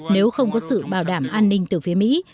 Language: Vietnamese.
nếu không có sự bảo đảm an ninh từ phía mỹ